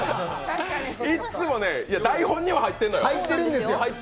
いっつも台本には入ってるのよ。